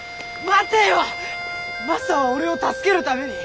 マサは俺を助けるために。